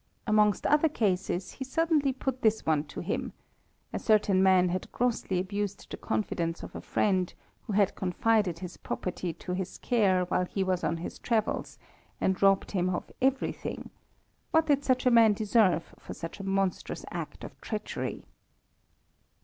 Amongst other cases, he suddenly put this one to him: a certain man had grossly abused the confidence of a friend, who had confided his property to his care while he was on his travels, and robbed him of everything; what did such a man deserve for such a monstrous act of treachery?